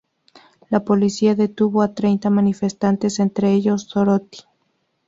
La policía detuvo a treinta manifestantes entre ellos Dorothy.